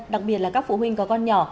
đặc biệt là các phụ huynh có con nhỏ